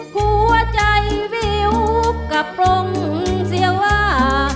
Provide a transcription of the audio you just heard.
หัวใจวิวกลับปลงเสียว่า